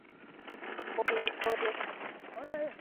Polepole kama mwendo.